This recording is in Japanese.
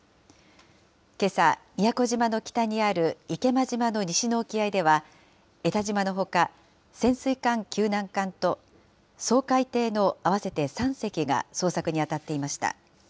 けさ、宮古島の北にある池間島の西の沖合では、えたじまのほか潜水艦救難艦と掃海艇の合わせて３隻が捜索に当たっていました。